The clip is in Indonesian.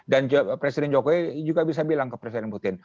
dan presiden jokowi juga bisa bilang ke presiden putin